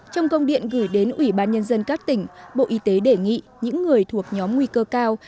trong công điện gửi đến ủy ban nhân dân các tỉnh bộ y tế đề nghị những người thuộc nhóm nguy cơ cao